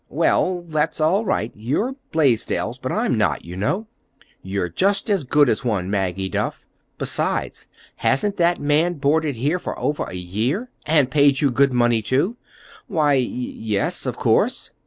"Well, that's all right. You're Blaisdells—but I'm not, you know." "You're just as good as one, Maggie Duff! Besides, hasn't that man boarded here for over a year, and paid you good money, too?" "Why, y yes, of course."